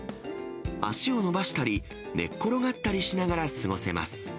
足を伸ばしたり、寝っ転がったりしながら過ごせます。